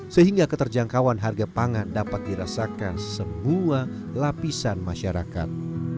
sehingga keterjangkauan harga pangan dapat dirasakan semua lapisan masyarakat